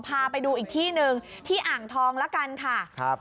พาไปดูอีกที่หนึ่งที่อ่างทองละกันค่ะครับ